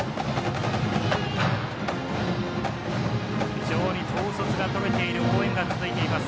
非常に統率が取れている応援が続いています。